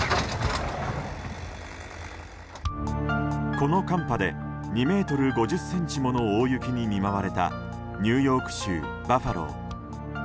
この寒波で２ｍ５０ｃｍもの大雪に見舞われたニューヨーク州バファロー。